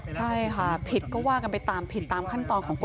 ใช่ค่ะผิดก็ว่ากันไปตามผิดตามขั้นตอนของกฎหมาย